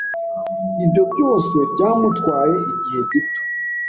Ibyo byose byamutwaye igihe gito